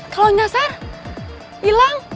kalau gak sar hilang